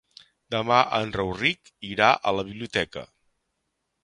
Demà en Rauric irà a la biblioteca.